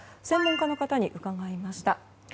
専門家に伺いました。